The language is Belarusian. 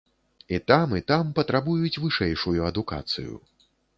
І там, і там патрабуюць вышэйшую адукацыю.